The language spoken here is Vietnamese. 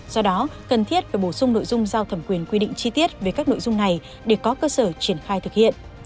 do đó cần thiết phải bổ sung nội dung giao thẩm quyền quy định chi tiết về các nội dung này để có cơ sở triển khai thực hiện